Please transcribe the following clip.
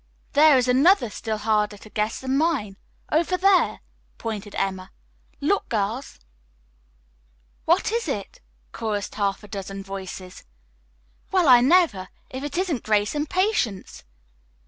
"There is another still harder to guess than mine. Over there," pointed Emma. "Look, girls!" "What is it?" chorused half a dozen voices. "Well, I never! If it isn't Grace and Patience!"